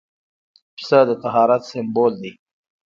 پسه د طهارت سمبول دی.